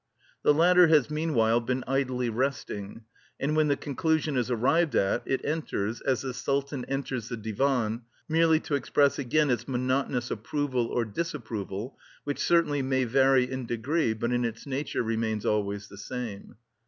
The latter has meanwhile been idly resting, and when the conclusion is arrived at it enters, as the Sultan enters the Divan, merely to express again its monotonous approval or disapproval, which certainly may vary in degree, but in its nature remains always the same.